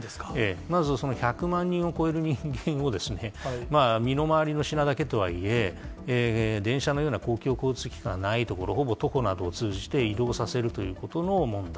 まず１００万人を超える人間を、身の回りの品だけとはいえ、電車のような公共交通機関がない所、ほぼ徒歩などを通じて移動させるということの問題。